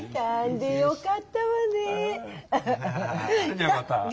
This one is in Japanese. じゃあまた。